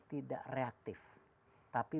tidak reaktif tapi